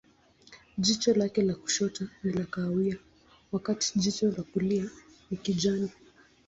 Jicho lake la kushoto ni kahawia, wakati jicho la kulia ni kijani.